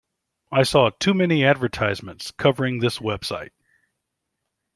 I saw too many advertisements covering this website.